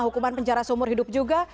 hukuman penjara seumur hidup juga